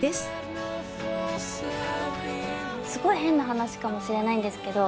すごい変な話かもしれないんですけど